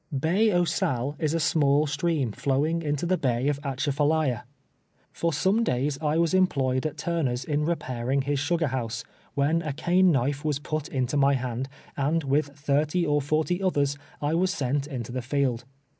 Bilj oii SuUc is a small stream flowing into the bay of Atchafalaya. For some days I was employed at Turner's in repairing his sugar house, wlien a cane Icuife was i)ut into my hand, and with thirty or forty others, I was sent into the field.